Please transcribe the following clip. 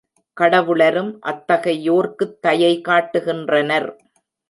கடவுளரும் அத்தகையோர்க்குத் தயை காட்டுகின்றனர்.